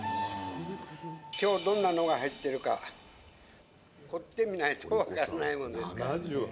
今日どんなのが入ってるか掘ってみないと分かんないもんですから。